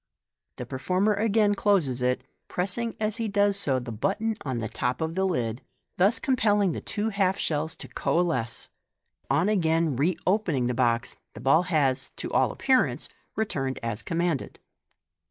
The performer a^ain closes it, pressing as he does so the button on the top of the lid, thus compelling the two half shells to coalesce 5 and on again re opening the box, the ball has, to all appearance, returned as commanded.